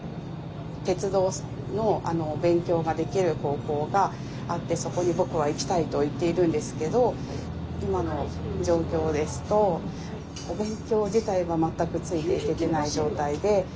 鉄道の勉強ができる高校があって「そこに僕は行きたい」と言っているんですけど今の状況ですとお勉強自体は全くついていけてない状態で。